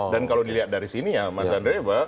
dan kalau dilihat dari sini ya mas andrei